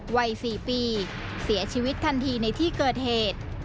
วัย๔ปีเสียชีวิตทันทีในที่เกิดเหตุ